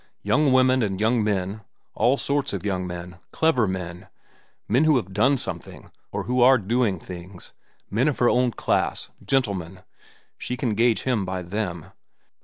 Young women and young men, all sorts of young men, clever men, men who have done something or who are doing things, men of her own class, gentlemen. She can gauge him by them.